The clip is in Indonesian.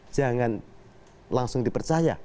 jangan langsung dipercaya